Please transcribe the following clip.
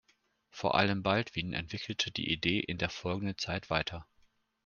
Vor allem Baldwin entwickelte die Idee in der folgenden Zeit weiter.